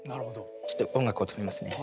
ちょっと音楽を止めますね。